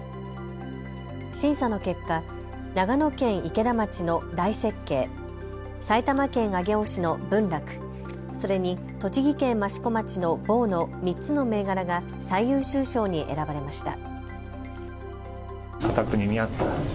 審査の結果、長野県池田町の大雪渓、埼玉県上尾市の文楽、それに栃木県益子町の望ｂｏ：の３つの銘柄が最優秀賞に選ばれました。